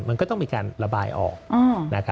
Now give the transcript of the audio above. มันก็ต้องมีการระบายออก